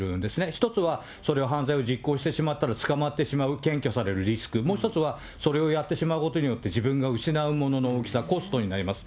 １つは、それを犯罪を実行してしまったら、捕まってしまう、検挙されてしまうリスク、もう１つは、それをやってしまうことによって自分が失うものの大きさ、コストになります。